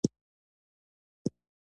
ټاپي زرګونه خلکو ته کار ورکوي